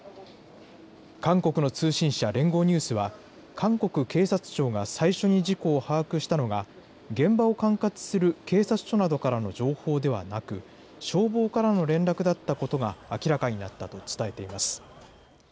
韓国の通信社、連合ニュースは、韓国警察庁が、最初に事故を把握したのが、現場を管轄する警察署などからの情報ではなく、消防からの連絡だったことが明らかになったと伝えています。